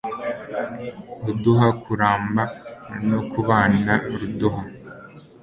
ruduha kuramba no kubana, ruduha